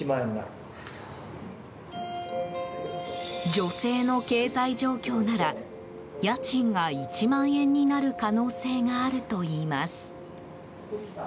女性の経済状況なら家賃が１万円になる可能性があるといいます。